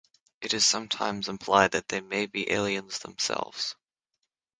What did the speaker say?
It is sometimes implied that they may be aliens themselves.